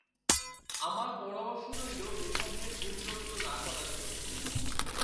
আমার পরামর্শ রইলো এসব নিয়ে ঘুম নষ্ট না করার জন্য।